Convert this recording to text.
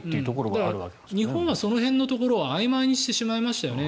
だから日本はその辺のところはあいまいにしてしまいましたよね